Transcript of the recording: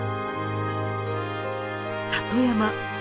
里山